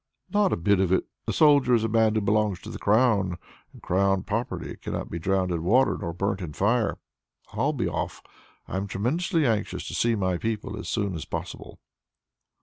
"Not a bit of it! A soldier is a man who belongs to the crown, and 'crown property cannot be drowned in water nor burnt in fire.' I'll be off: I'm tremendously anxious to see my people as soon as possible."